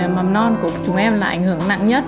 mầm non của chúng em là ảnh hưởng nặng nhất